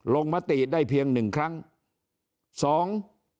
มติได้เพียงหนึ่งครั้งสอง